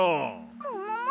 ももも？